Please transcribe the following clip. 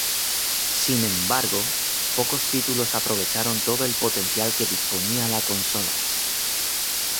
Sin embargo, pocos títulos aprovecharon todo el potencial que disponía la consola.